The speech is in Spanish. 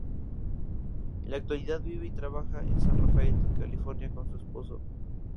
En la actualidad vive y trabaja en San Rafael, California con su esposo.